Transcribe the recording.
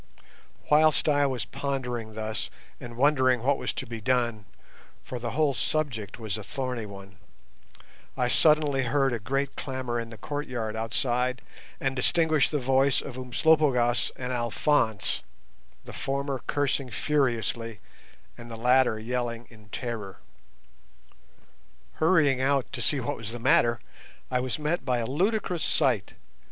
Whilst I was pondering thus, and wondering what was to be done—for the whole subject was a thorny one—I suddenly heard a great clamour in the courtyard outside, and distinguished the voice of Umslopogaas and Alphonse, the former cursing furiously, and the latter yelling in terror. Hurrying out to see what was the matter, I was met by a ludicrous sight.